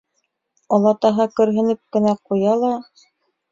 Олатаһы көрһөнөп кенә ҡуя ла: